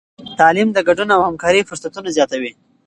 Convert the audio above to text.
تعلیم د ګډون او همکارۍ فرصتونه زیاتوي.